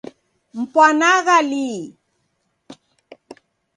Mpwanagha lii?